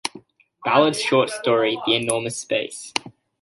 Ballard's short story "The Enormous Space".